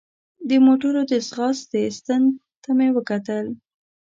د موټر د ځغاستې ستن ته مې وکتل.